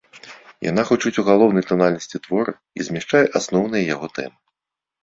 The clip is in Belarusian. Яна гучыць у галоўнай танальнасці твора і змяшчае асноўныя яго тэмы.